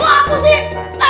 oh aku sih